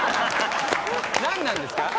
なんなんですか？